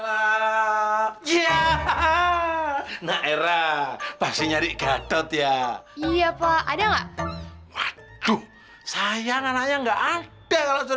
ya hahaha nah era pasti nyari gadot ya iya pak ada enggak aduh sayangannya enggak ada kalau